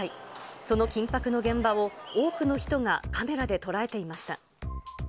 その緊迫の現場を多くの人がカメラで捉えていました。